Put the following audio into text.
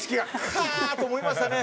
かあーっと思いましたね。